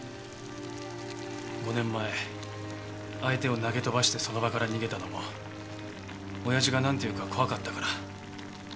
５年前相手を投げ飛ばしてその場から逃げたのも親父がなんて言うか怖かったから。